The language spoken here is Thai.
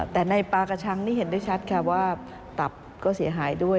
แต่ในปลากระชังนี่เห็นได้ชัดค่ะว่าตับก็เสียหายด้วย